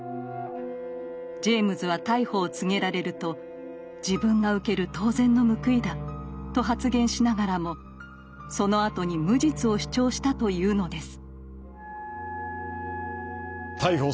ジェイムズは逮捕を告げられると「自分が受ける当然の報いだ」と発言しながらもそのあとに無実を主張したというのです。